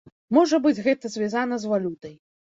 Можа быць гэта звязана з валютай.